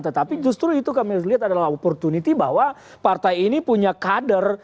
tetapi justru itu kami lihat adalah opportunity bahwa partai ini punya kader